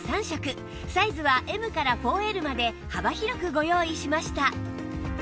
サイズは Ｍ から ４Ｌ まで幅広くご用意しました